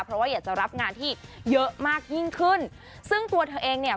เพราะว่าอยากจะรับงานที่เยอะมากยิ่งขึ้นซึ่งตัวเธอเองเนี่ย